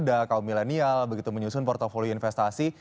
misalnya kalau milenial begitu menyusun portfolio investasi